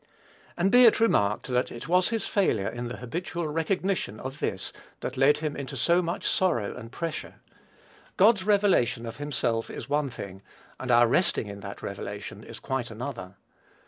And, be it remarked, that it was his failure in the habitual recognition of this that led him into so much sorrow and pressure. God's revelation of himself is one thing, and our resting in that revelation is quite another.